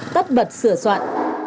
tắt bật sửa soạn